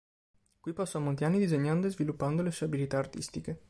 Qui passò molti anni disegnando e sviluppando le sue abilità artistiche.